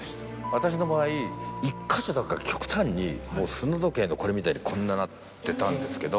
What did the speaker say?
私の場合１か所だけが極端にもう砂時計のこれみたいにこんななってたんですけど。